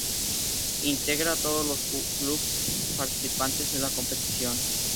Integra a todos los clubes participantes en la competición.